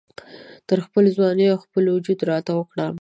تر خپل ځوانۍ او خپل وجود را تاو کړم